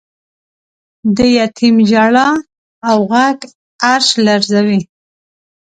د یتیم ژړا او غږ عرش لړزوی.